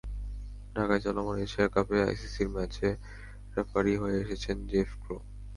ঢাকায় চলমান এশিয়া কাপে আইসিসির ম্যাচ রেফারি হয়ে এসেছেন জেফ ক্রো।